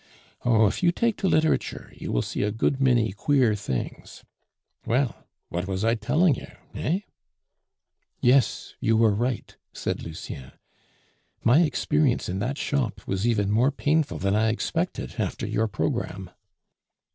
Oh, if you take to literature, you will see a good many queer things. Well, what was I telling you, eh?" "Yes, you were right," said Lucien. "My experience in that shop was even more painful than I expected, after your programme."